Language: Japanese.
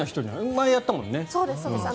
前やったもんね。